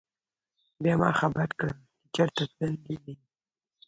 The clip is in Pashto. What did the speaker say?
بيا ما خبر کړه چې چرته تلل دي